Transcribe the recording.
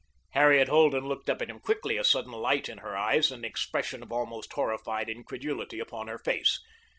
Harriet Holden looked up at him quickly, a sudden light in her eyes, and an expression of almost horrified incredulity upon her face.